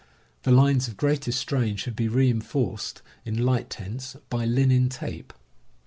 The lines of greatest strain should be reinforced, in light tents, by linen tape.